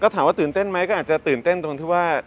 ถามว่าตื่นเต้นไหมก็อาจจะตื่นเต้นตรงที่ว่า